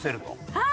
はい！